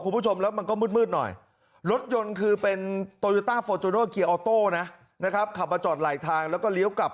เกิดเหตุการณ์นี้ขึ้นครับ